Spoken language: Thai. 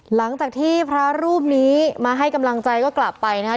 หลังจากที่พระรูปนี้มาให้กำลังใจก็กลับไปนะครับ